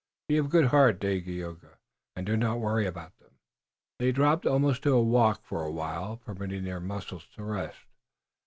Be of good heart, Dagaeoga, and do not worry about them." They dropped almost to a walk for a while, permitting their muscles to rest.